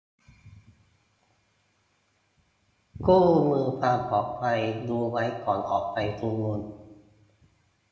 คู่มือความปลอดภัย : รู้ไว้ก่อนออกไปชุมนุม